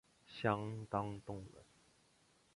相当动人